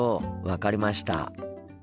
分かりました。